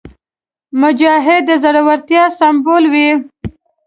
مجاهد د زړورتیا سمبول وي.